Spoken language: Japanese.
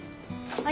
はい。